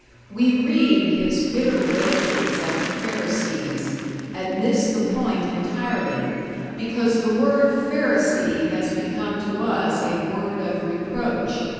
We read his bitter railings at the Pharisees, and miss the point entirely, because the word Pharisee has become to us a word of reproach.